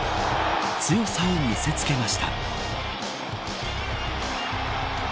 強さを見せつけました。